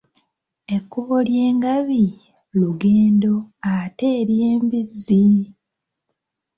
Ekkubo ly'engabi lugendo ate ery'embizzi?